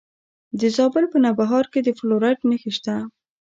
د زابل په نوبهار کې د فلورایټ نښې شته.